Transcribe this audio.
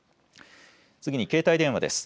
次に携帯電話です。